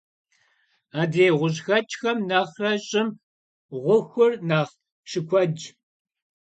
Adrêy ğuş'xeç'xem nexhre ş'ım ğuxur nexh şıkuedş.